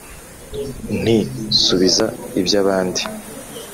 Nti: subiza iby'abandi,